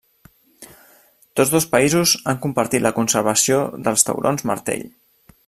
Tots dos països han compartit la conservació dels taurons martell.